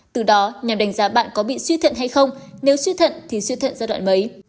từ đó nhằm đánh giá bạn có bị suy thận hay không nếu suy thận thì suy thận giai đoạn mới